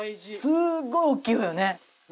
すごい大きいわよね。